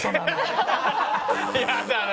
嫌だな！